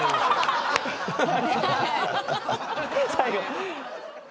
最後。